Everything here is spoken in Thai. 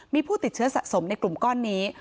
มีผู้ติดเชื้อสะสมในกลุ่มก้อนนี้